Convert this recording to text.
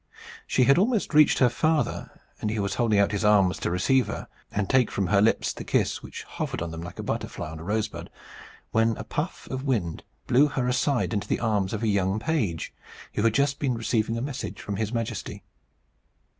She had almost reached her father, and he was holding out his arms to receive her, and take from her lips the kiss which hovered on them like a butterfly on a rosebud, when a puff of wind blew her aside into the arms of a young page, who had just been receiving a message from his Majesty.